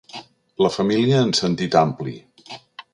La família en sentit ampli.